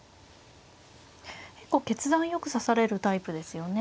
結構決断よく指されるタイプですよね。